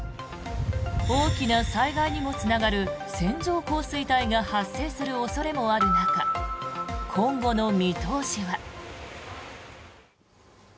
大きな災害にもつながる線状降水帯が発生する恐れもある中今後の見通しは。